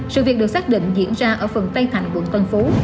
sự việc được xác định diễn ra ở phường tây thành quận tân phú